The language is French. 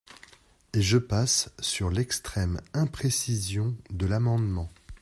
Et je passe sur l’extrême imprécision de l’amendement.